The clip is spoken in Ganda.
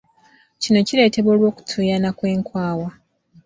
Kino kireetebwa olw'okutuuyana kw'enkwawa.